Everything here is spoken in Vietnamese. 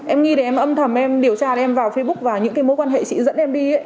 em nghĩ thì em âm thầm em điều tra em vào facebook và những cái mối quan hệ chị dẫn em đi